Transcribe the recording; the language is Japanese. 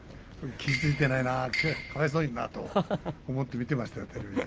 気付いていないな、かわいそうになって思って見てました。